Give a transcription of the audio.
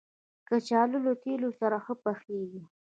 کچالو له تېلو سره ښه پخېږي